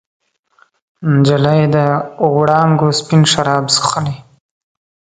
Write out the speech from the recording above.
نجلۍ د وړانګو سپین شراب چښلي